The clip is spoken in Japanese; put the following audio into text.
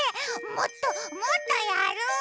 もっともっとやる！